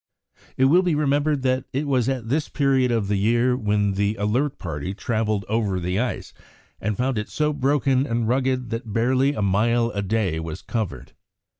It will be remembered that it was at this period of the year when the Alert party travelled over the ice and found it so broken and rugged that barely a mile a day was covered.